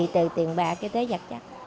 từ tiền bạc tới giặt chặt